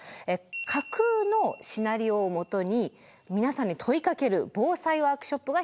架空のシナリオを基に皆さんに問いかける防災ワークショップが開かれました。